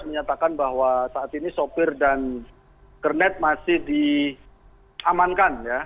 menyatakan bahwa saat ini sopir dan kernet masih diamankan ya